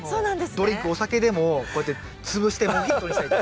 ドリンクお酒でもこうやって潰してモヒートにしたりとか。